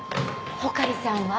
穂刈さんは？